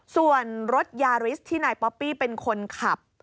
ส่วนรถยาริสที่นายป๊อปปี้เป็นคนขับ